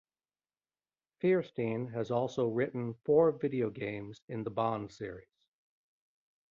Feirstein has also written four video games in the Bond series.